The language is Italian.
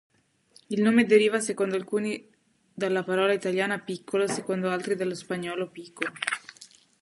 Il nome deriva secondo alcuni dalla parola italiana "piccolo", secondo altri dallo spagnolo "pico".